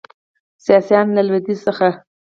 ساسانیان له لویدیځ څخه